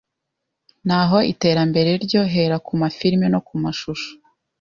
Naho iterambere ryo, hera ku ma film no ku mashusho